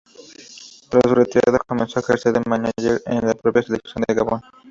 Tras su retirada comenzó a ejercer de mánager de la propia selección de Gabón.